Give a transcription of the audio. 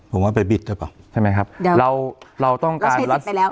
ผมว่าไปบิดได้ปะใช่ไหมรัชชายสิทธิ์ไปแล้ว